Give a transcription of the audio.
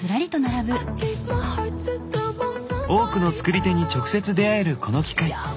多くの作り手に直接出会えるこの機会。